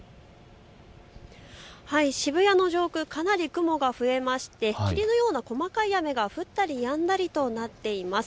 渋谷の上空、かなり雲が増えまして、霧のような細かい雨が降ったりやんだりとなっています。